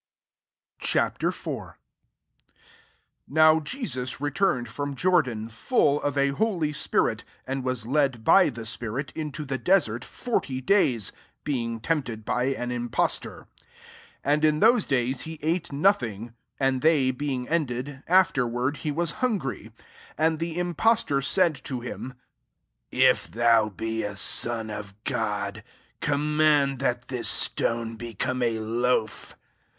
» Ch. IV. 1 NOW Jesus re turned from Jordan, full of a holjT spirit, and was led by the I spirit into the desert forty days, being tempted by an impost or.f 2 And in those days he ate no* thing ; and, they being ended, \j{ftenuar(f\ he was hungry. 3 And Mr intftoetor said to him, " If thou be a son of God, com ' mand that this ^tone become a loaf."